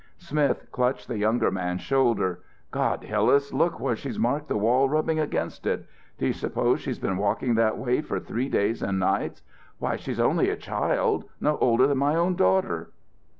Smith clutched the younger man's shoulder. "God, Hillas, look where she's marked the wall rubbing against it! Do you suppose she's been walking that way for three days and nights? Why, she's only a child no older than my own daughter!"